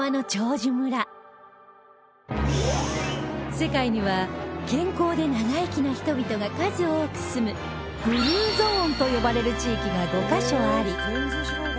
世界には健康で長生きな人々が数多く住むブルーゾーンと呼ばれる地域が５カ所あり